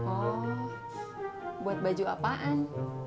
oh buat baju apaan